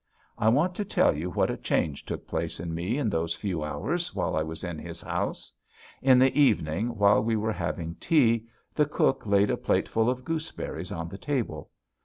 I want to tell you what a change took place in me in those few hours while I was in his house. In the evening, while we were having tea, the cook laid a plateful of gooseberries on the table.